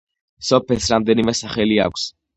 სოფელს რამდენიმე სახელი აქვს.